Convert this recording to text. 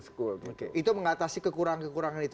school itu mengatasi kekurangan kekurangan itu